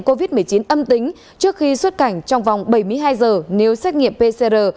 covid một mươi chín âm tính trước khi xuất cảnh trong vòng bảy mươi hai giờ nếu xét nghiệm pcr